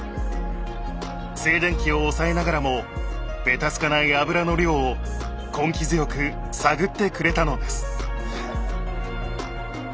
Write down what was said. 静電気を抑えながらもべたつかない油の量を根気強く探ってくれたのです。